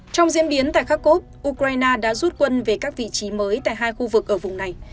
trong diễn biến tại kharkov ukraine đã rút quân về các vị trí mới tại hai khu vực ở vùng này